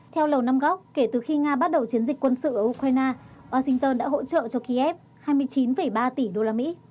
theo lầu năm góc kể từ khi nga bắt đầu chiến dịch quân sự ở ukraine washington đã hỗ trợ cho kiev hai mươi chín ba tỷ usd